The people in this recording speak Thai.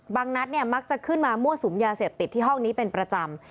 นัดเนี่ยมักจะขึ้นมามั่วสุมยาเสพติดที่ห้องนี้เป็นประจำ